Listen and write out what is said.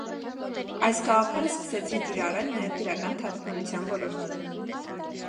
Այս գաղափարը սկսեցին կիրառել նաև գրական թարգմանության ոլորտում։